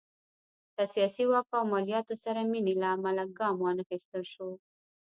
له سیاسي واک او مالیاتو سره مینې له امله ګام وانخیستل شو.